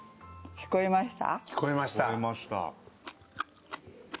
聞こえました。